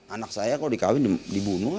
anak saya kalau dikawin dibunuh